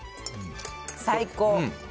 最高。